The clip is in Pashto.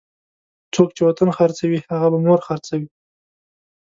څوک چې وطن خرڅوي هغه به مور خرڅوي.